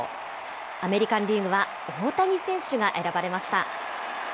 アメリカンリーグは大谷選手が選ばれました。